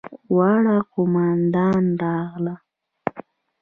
واړه قوماندان راغلل.